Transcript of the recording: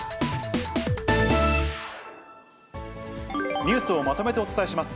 ニュースをまとめてお伝えします。